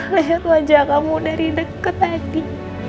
lihat wajah kamu dari dekat tadi